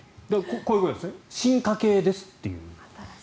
こういうことですね進化系ですという。